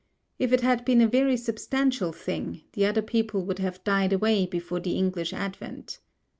If it had been a very substantial thing, the other people would have died away before the English advent.